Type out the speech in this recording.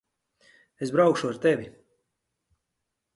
Es braukšu ar tevi.